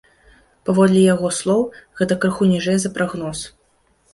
Паводле яго слоў, гэта крыху ніжэй за прагноз.